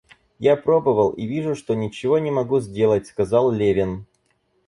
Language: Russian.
Я пробовал и вижу, что ничего не могу сделать, — сказал Левин.